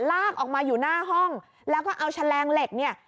ลากออกมาอยู่หน้าห้องแล้วก็เอาแฉลงเหล็กเนี่ย